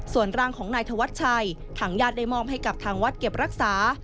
ส่วนร่างของนายธวัชชัยทางญาติได้มอบให้กับทางวัดเก็บรักษา